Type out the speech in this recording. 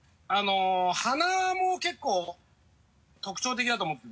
鼻も結構特徴的だと思ってて。